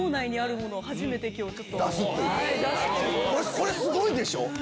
これすごいでしょ！